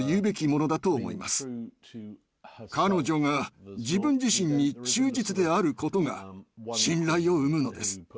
彼女が自分自身に忠実であることが「信頼」を生むのです。